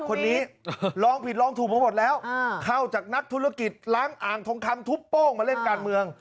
คนนี้ลองผิดลองถูกมาหมดแล้วเข้าจากนักธุรกิจล้างอ่างทองคำทุบโป้งมาเล่นการเมือง